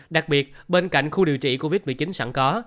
đặc biệt bên cạnh khu điều trị covid một mươi chín sẵn có